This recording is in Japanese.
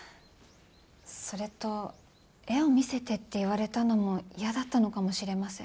それと絵を見せてって言われたのも嫌だったのかもしれません。